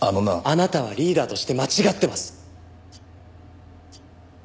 あなたはリーダーとして間違ってます。